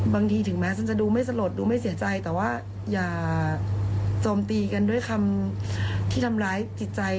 ถึงแม้ฉันจะดูไม่สลดดูไม่เสียใจแต่ว่าอย่าโจมตีกันด้วยคำที่ทำร้ายจิตใจ